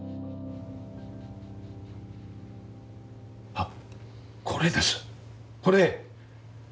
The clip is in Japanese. あっこれですこれ！